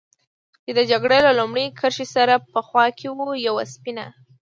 چې د جګړې له لومړۍ کرښې سره په خوا کې و، یوه سپینه.